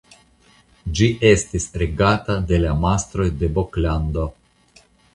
Ĝi estis regata de la mastroj de Boklando.